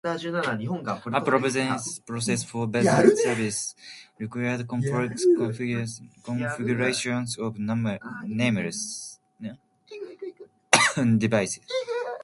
A provisioning process for a basic service required complex configurations of numerous devices.